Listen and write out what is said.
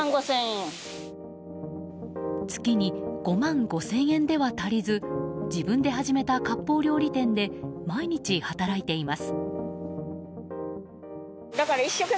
月に５万５０００円では足りず自分で始めた割烹料理店で毎日働いています。